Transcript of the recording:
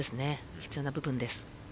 必要な部分です。